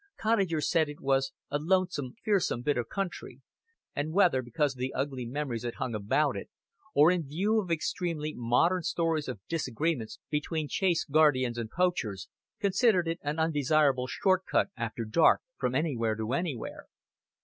Cottagers said it was "a lonesome, fearsome bit o'country," and, whether because of the ugly memories that hung about it, or in view of extremely modern stories of disagreements between Chase guardians and poachers, considered it an undesirable short cut after dark from anywhere to anywhere.